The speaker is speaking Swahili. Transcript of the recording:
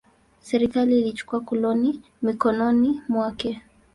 Serikali ilichukua koloni mikononi mwake.